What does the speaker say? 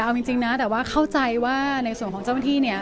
เอาจริงนะแต่ว่าเข้าใจว่าในส่วนของเจ้าหน้าที่เนี่ย